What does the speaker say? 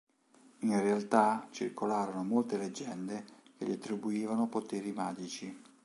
In realtà, circolarono molte leggende che gli attribuivano poteri magici.